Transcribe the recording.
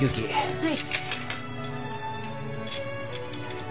はい。